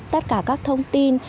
tất cả các thông tin